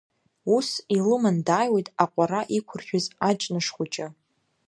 Ус, илыман дааиуеит аҟәара иқәыршәыз аҷныш хәыҷы.